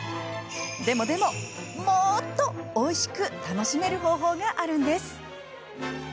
でもでも、もっとおいしく楽しめる方法があるんです。